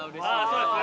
そうです。